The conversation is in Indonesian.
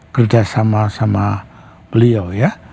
kerja sama sama beliau ya